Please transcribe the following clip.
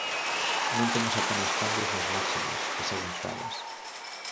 Non temos apenas cambios nas máximas, que seguen suaves.